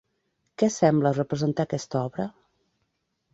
Què sembla representar aquesta obra?